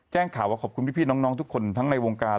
ข่าวว่าขอบคุณพี่น้องทุกคนทั้งในวงการ